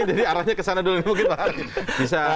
ini jadi arahnya kesana dulu mungkin pak ari